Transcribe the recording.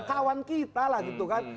kawan kita lah gitu kan